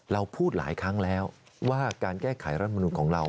เราพูดหลายครั้งแล้วว่าการแก้ไขรัฐมนุนของเรา